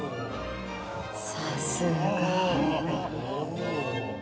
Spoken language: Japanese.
さすが。